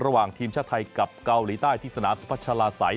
ระหว่างทีมชาติไทยกับเกาหลีใต้ที่สนามสุพัชลาศัย